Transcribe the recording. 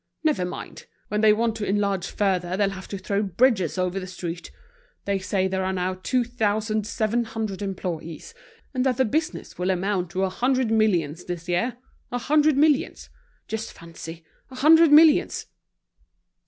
Never mind! When they want to enlarge further they'll have to throw bridges over the street. They say there are now two thousand seven hundred employees, and that the business will amount to a hundred millions this year. A hundred millions! Just fancy, a hundred millions!"